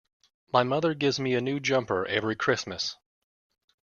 My mother gives me a new jumper every Christmas